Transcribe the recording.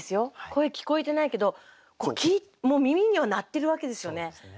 声聞こえてないけどもう耳には鳴ってるわけですよね。